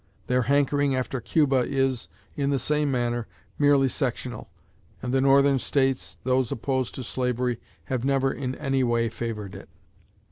Their hankering after Cuba is, in the same manner, merely sectional, and the Northern States, those opposed to slavery, have never in any way favored it.